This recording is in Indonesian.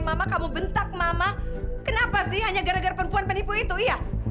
mama kamu bentak mama kenapa sih hanya gara gara perempuan penipu itu iya